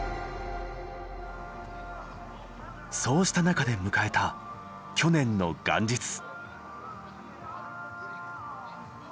そうした中で迎えた去年の元日。